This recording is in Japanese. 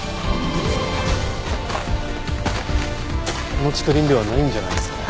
この竹林ではないんじゃないですかね。